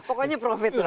pokoknya profit lah